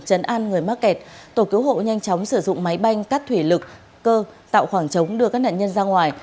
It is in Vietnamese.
tạo khoảng trống đưa các nạn nhân ra ngoài